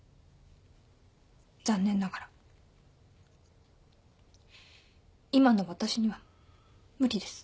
残念ながら今の私には無理です。